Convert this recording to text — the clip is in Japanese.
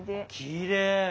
きれい！